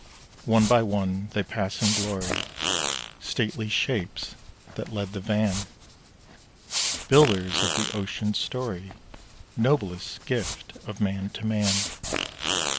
One by one they pass in glory Stately shapes that led the van Builders of the ocean's story, Noblest gift of man to man.